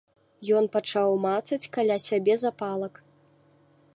Ён пачаў мацаць каля сябе запалак.